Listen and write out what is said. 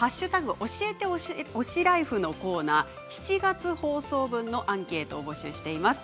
教えて推しライフ」のコーナー７月の放送分のアンケートを募集しています。